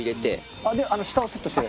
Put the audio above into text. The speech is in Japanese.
下をセットして。